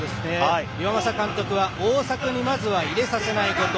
岩政監督は大迫に入れさせないこと。